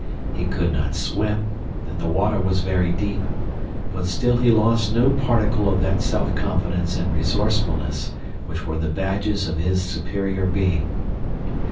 He could not swim, and the water was very deep; but still he lost no particle of that self confidence and resourcefulness which were the badges of his superior being.